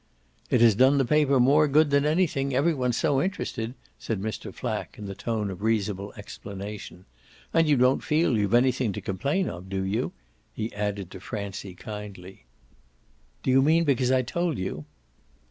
"It has done the paper more good than anything every one's so interested," said Mr. Flack in the tone of reasonable explanation. "And you don't feel you've anything to complain of, do you?" he added to Francie kindly. "Do you mean because I told you?"